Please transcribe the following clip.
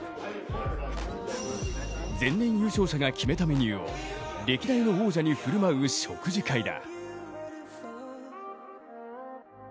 前年優勝者が決めたメニューを歴代の王者に振る舞う食事会だ。